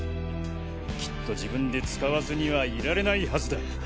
きっと自分で使わずにはいられないはずだ。